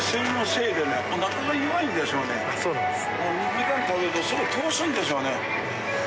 ミカン食べるとすぐ下すんですよね。